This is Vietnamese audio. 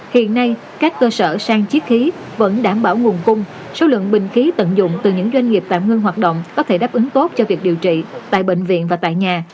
hiện nay các cơ sở sang chiếc khí vẫn đảm bảo nguồn cung số lượng bình khí tận dụng từ những doanh nghiệp tạm ngưng hoạt động có thể đáp ứng tốt cho việc điều trị tại bệnh viện và tại nhà